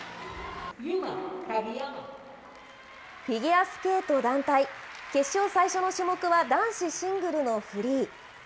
フィギュアスケート団体、決勝最初の種目は男子シングルのフリー。